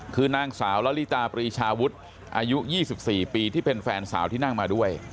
คือนางสาวลาลีตาปรีชาวุทธ์อายุยี่สิบสี่ปีที่เป็นแฟนสาวที่นั่งมาด้วย